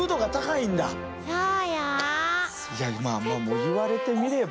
いやまあ言われてみれば。